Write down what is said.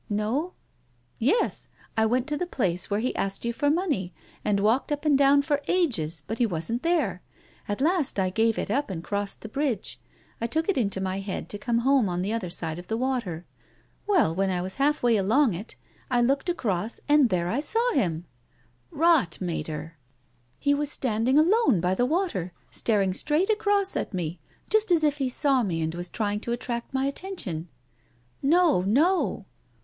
"No?" " Yes. I went to the place where he asked you for money, and walked up and down for ages. But he wasn't there. At last I gave it up and crossed the bridge. I took it into my head to come home on the other side of the water. Well, when I was half way along it, I looked across, and there I saw him." "Rot. Mater!" 366 TONGUES OF CONSCIENCE. " He was standing alone by the water, staring straight across at me, just as if he saw me and was trying to attract my attention." "No, no!"